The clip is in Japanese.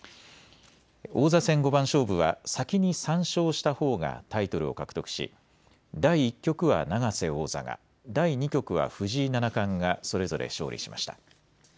王座戦五番勝負は先に３勝したほうがタイトルを獲得し第１局は永瀬王座が、第２局は藤井七冠がそれぞれ勝利しました。